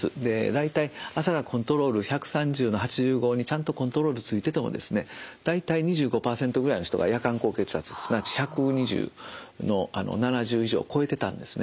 大体朝がコントロール１３０の８５にちゃんとコントロールついててもですね大体２５％ぐらいの人が夜間高血圧すなわち１２０の７０以上を超えてたんですね